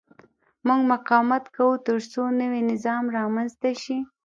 موږ مقاومت کوو ترڅو نوی نظام رامنځته شي.